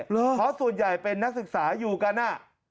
เพราะส่วนใหญ่เป็นนักศึกษาอยู่กัน